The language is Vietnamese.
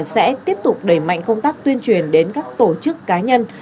sẽ tiếp tục đẩy mạnh công tác tuyên truyền đến các tổ chức cá nhân